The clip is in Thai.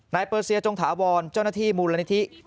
เปอร์เซียจงถาวรเจ้าหน้าที่มูลนิธิ